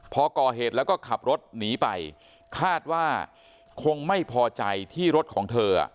พอก่อเหตุแล้วก็ขับรถหนีไปคาดว่าคงไม่พอใจที่รถของเธอ